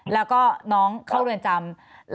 แล้วก็น้องเข้าเรือนจำ